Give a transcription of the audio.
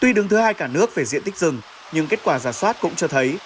tuy đứng thứ hai cả nước về diện tích rừng nhưng kết quả giả soát cũng cho thấy